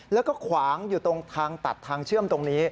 แล้วก็ขวางอยู่ตรงทางตัดทางเชื่อมตรงนี้